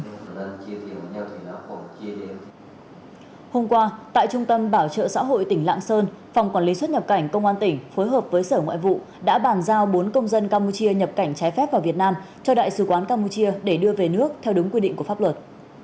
hôm qua tại trung tâm bảo trợ xã hội tỉnh lạng sơn phòng quản lý xuất nhập cảnh công an tỉnh phối hợp với sở ngoại vụ đã bàn giao bốn công dân campuchia nhập cảnh trái phép vào việt nam cho đại sứ quán campuchia để đưa về nước theo đúng quy định của pháp luật